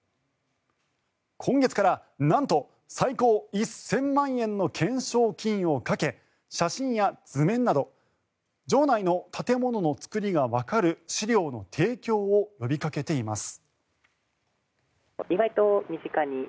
今月からなんと最高１０００万円の懸賞金をかけ写真や図面など城内の建物の造りがわかる資料の提供を呼びかけています。